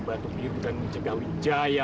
batu biru dan menjaga wijaya